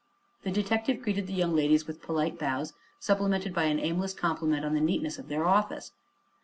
The detective greeted the young ladies with polite bows, supplemented by an aimless compliment on the neatness of their office.